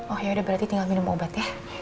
oh yaudah berarti tinggal minum obat ya